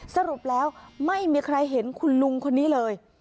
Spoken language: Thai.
สรุปแล้วไม่มีใครเห็นคุณลุงคนนี้เลย